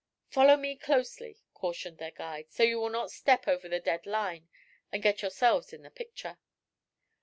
"Follow me closely," cautioned their guide, "so you will not step over the 'dead line' and get yourselves in the picture."